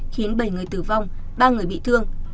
khiến bảy người tử vong ba người bị thương